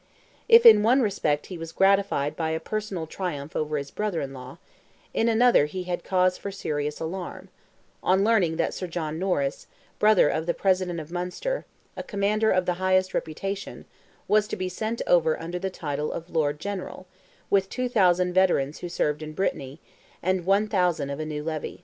If in one respect he was gratified by a personal triumph over his brother in law, in another he had cause for serious alarm, on learning that Sir John Norris, brother of the President of Munster, a commander of the highest reputation, was to be sent over under the title of Lord General, with 2,000 veterans who served in Brittany, and 1,000 of a new levy.